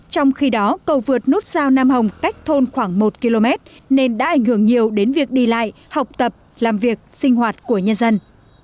trong khi đó cầu vượt nút sao nam hồng cách thôn khoảng một km nên đã ảnh hưởng nhiều đến việc đi lại học tập làm việc sinh hoạt của nhân dân